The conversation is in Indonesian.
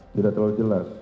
tidak terlalu jelas